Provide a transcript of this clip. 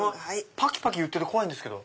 パキパキいってて怖いですけど。